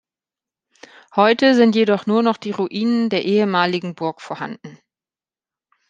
Heute sind jedoch nur noch die Ruinen der ehemaligen Burg vorhanden.